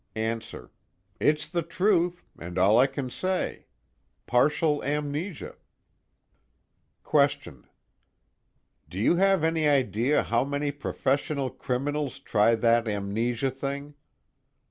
ANSWER: It's the truth, and all I can say. Partial amnesia. QUESTION: Do you have any idea how many professional criminals try that amnesia thing?